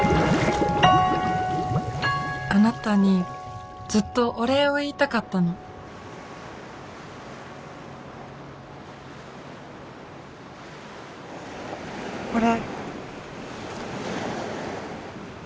あなたにずっとお礼を言いたかったのこれ。